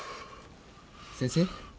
先生？